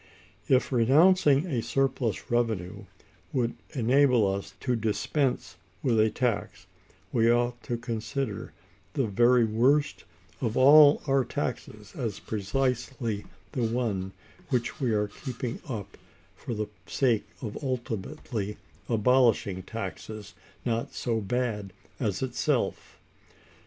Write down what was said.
If renouncing a surplus revenue would enable us to dispense with a tax, we ought to consider the very worst of all our taxes as precisely the one which we are keeping up for the sake of ultimately abolishing taxes not so bad as itself.